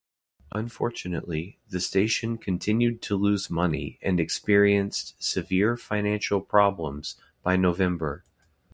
Unfortunately, the station continued to lose money and experienced severe financial problems by November.